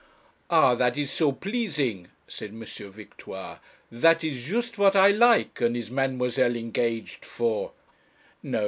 'Ah, that is so pleasing,' said M. Victoire: 'that is just what I like; and is mademoiselle engaged for ?' No.